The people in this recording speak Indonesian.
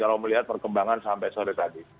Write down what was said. kalau melihat perkembangan sampai sore tadi